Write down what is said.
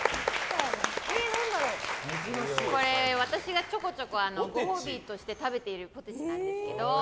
私がちょこちょこご褒美として食べているポテチなんですけど。